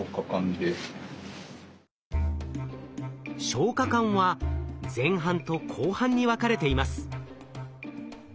消化管は前半と後半に分かれています。